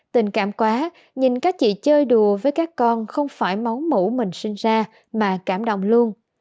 tình cảm quá nhìn các chị chơi đùa với các con không phải máu mũ mình sinh ra mà cảm đồng luôn